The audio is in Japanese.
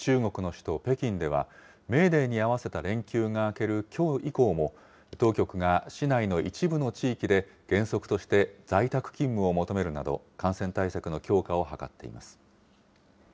首都北京では、メーデーに合わせた連休が明けるきょう以降も、当局が市内の一部の地域で原則として、在宅勤務を求めるなど、感染対策の強化を図っています。